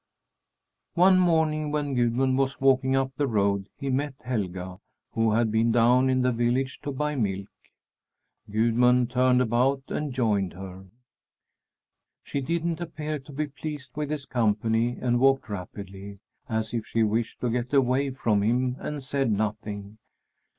One morning, when Gudmund was walking up the road, he met Helga, who had been down in the village to buy milk. Gudmund turned about and joined her. She didn't appear to be pleased with his company and walked rapidly, as if she wished to get away from him, and said nothing.